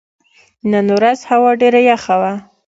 نن ورځ هوا ډېره یخه وه.